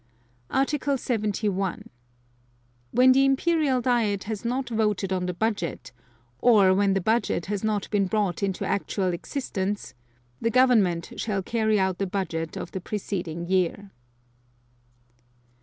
Article 71. When the Imperial Diet has not voted on the Budget, or when the Budget has not been brought into actual existence, the Government shall carry out the Budget of the preceding year.